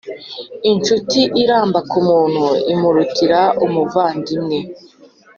incuti iramba ku muntu, imurutira umuvandimwe